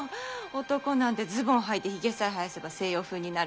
男なんてズボンはいてひげさえ生やせば西洋風になるけど。